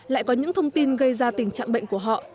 lại có những thông tin gây ra tình trạng bệnh của họ